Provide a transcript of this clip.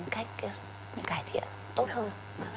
cách cải thiện tốt hơn